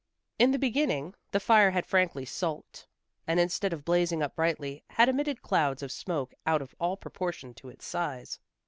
In the beginning the fire had frankly sulked, and instead of blazing up brightly, had emitted clouds of smoke out of all proportion to its size.